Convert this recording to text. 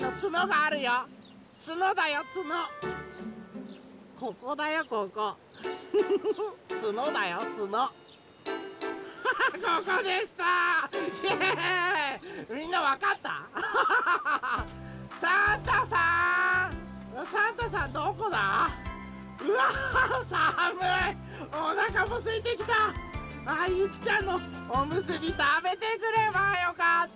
あゆきちゃんのおむすびたべてくればよかった。